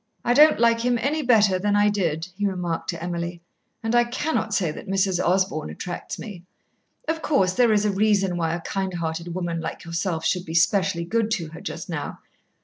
"I don't like him any better than I did," he remarked to Emily. "And I cannot say that Mrs. Osborn attracts me. Of course there is a reason why a kind hearted woman like yourself should be specially good to her just now.